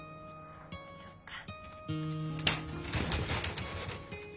そっか。